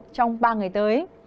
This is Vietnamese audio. trong ba ngày tới